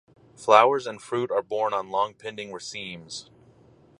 Flowers and fruit are born on long pending racemes.